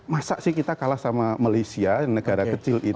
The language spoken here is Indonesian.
masa sih kita kalah sama malaysia negara kecil itu